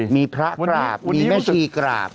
มีพระกราบมีแม่ชีกราบ